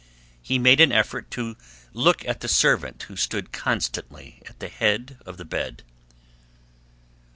He made an effort to look at the servant who stood constantly at the head of the bed.